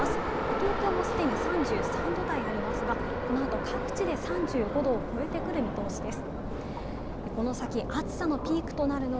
東京も既に３３度台ありますが、このあと各地で３５度を超えてくる見通しです。